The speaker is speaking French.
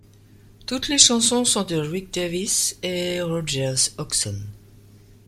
Toutes les chansons sont de Rick Davies et Roger Hodgson.